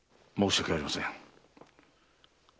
申し訳ありません。